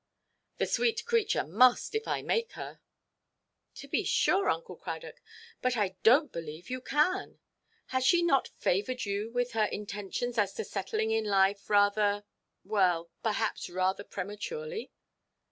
"The sweet creature must, if I make her." "To be sure, Uncle Cradock; but I donʼt believe you can. Has she not favoured you with her intentions as to settling in life, rather—well, perhaps rather prematurely?"